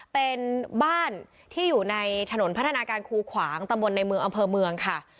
เป็นบ้านที่อยู่ในถนนพัฒนาการคูขวางตำบลในเมืองอำเภอเมืองค่ะ